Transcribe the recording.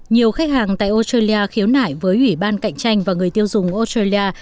nhiều khách hàng tại australia khiếu nại với ủy ban cạnh tranh và người tiêu dùng australia